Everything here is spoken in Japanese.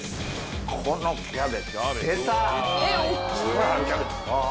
これ春キャベツ。